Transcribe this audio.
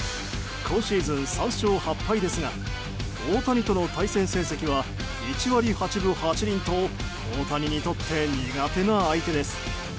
今シーズン３勝８敗ですが大谷との対戦成績は１割８分８厘と、大谷にとって苦手な相手です。